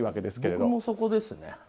僕もそこですね。